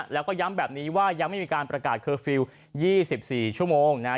แล้วก็ย้ำแบบนี้ว่ายังไม่มีการประกาศเคอร์ฟิลล์๒๔ชั่วโมงนะฮะ